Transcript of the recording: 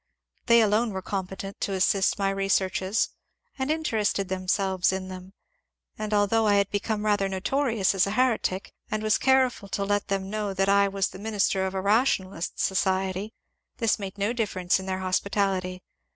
They alone were competent to assist my researches, and inter ested themselves in them ; and although I had become rather notorious as a heretic, and was careful to let them know that I was the minister of a rationalist society, this made no dif ference in their hospitality.